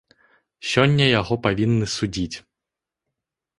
Сёння яго павінны судзіць.